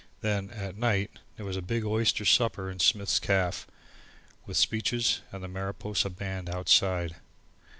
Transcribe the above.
Then at night there was a big oyster supper in Smith's caff, with speeches, and the Mariposa band outside.